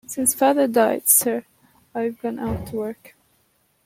Since father died, sir, I've gone out to work.